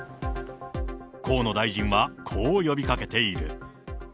河野大臣はこう呼びかけている。